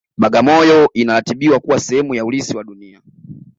bagamoyo inaratibiwa kuwa sehemu ya urithi wa dunia